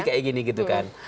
kayak gini gitu kan